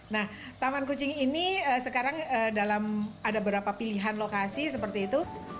nah taman kucing ini sekarang dalam ada beberapa pilihan lokasi seperti itu